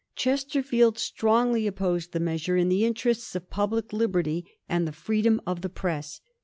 Chesterfield strongly opposed the measure in the interests of public liberty and the freedom of the press.